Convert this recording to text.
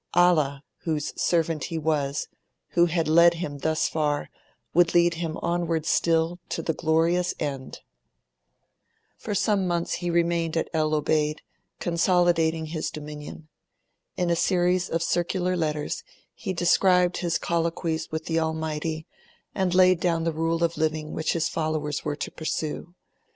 Allah, whose servant he was, who had led him thus far, would lead him onward still, to the glorious end. For some months he remained at El Obeid, consolidating his dominion. In a series of circular letters, he described his colloquies with the Almighty and laid down the rule of living which his followers were to pursue.